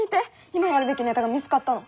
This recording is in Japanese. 今やるべきネタが見つかったの。